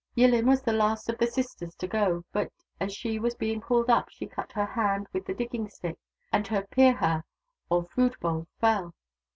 Yillin was the last of the sisters to go, but as she was being pulled up she cut her hand with her digging stick, and her Pirha, or food bowl, fell.